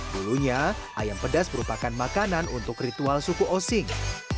dulunya ayam pedas merupakan makanan untuk ritual suku osing